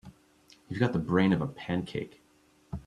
You've got the brain of a pancake.